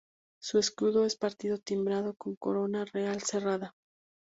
Su escudo es partido timbrado con corona real cerrada.